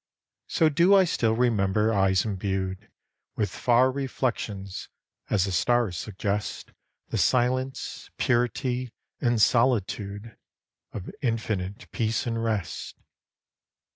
So do I still remember eyes imbued With far reflections as the stars suggest The silence, purity and solitude Of infinite peace and rest.